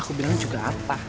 aku bilangnya juga apa